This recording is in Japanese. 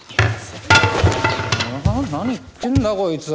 何言ってんだこいつ！